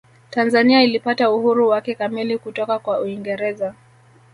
tanzania ilipata uhuru wake kamili kutoka kwa uingereza